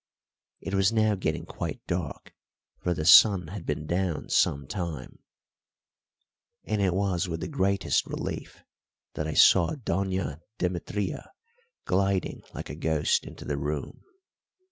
It was now getting quite dark, for the sun had been down some time, and it was with the greatest relief that I saw Doña Demetria gliding like a ghost into the room.